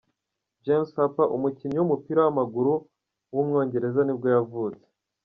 James Harper, umukinnyi w’umupira w’amaguru w’umwongereza nibwo yavutse.